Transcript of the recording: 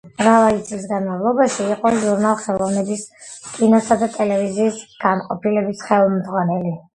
მრავალი წლის განმავლობაში იყო ჟურნალ „ხელოვნების“ კინოსა და ტელევიზიის განყოფილების ხელმძღვანელი.